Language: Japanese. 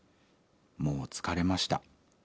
もう疲れました。